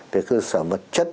thì cơ sở vật chất